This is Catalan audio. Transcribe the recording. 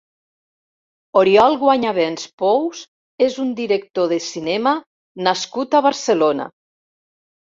Oriol Guanyabens Pous és un director de cinema nascut a Barcelona.